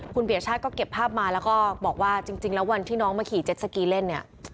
คุณปียชาติก็เก็บภาพมาแล้วก็บอกว่าจริงแล้ววันที่น้องมาขี่เจ็ดสกีเล่นเนี่ย